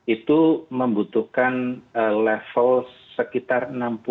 itu membutuhkan level sekitar enam puluh